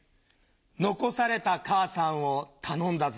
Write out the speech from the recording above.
残された母さんを頼んだぞ。